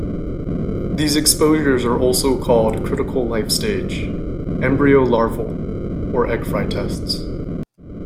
These exposures are also called critical life stage, embryo-larval, or egg-fry tests.